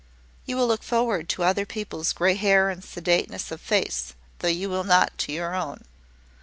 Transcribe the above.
"You look forward to other people's grey hair and sedateness of face, though you will not to your own."